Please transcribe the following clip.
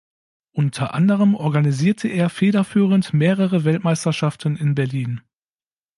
Unter anderem organisierte er federführend mehrere Weltmeisterschaften in Berlin.